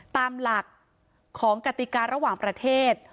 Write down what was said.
ตามหลักของกติการะหว่างประเทศ